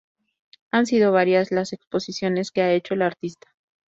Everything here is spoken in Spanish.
Han sido varias las exposiciones que ha hecho el artista.